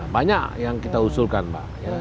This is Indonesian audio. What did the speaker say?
banyak yang kita usulkan mbak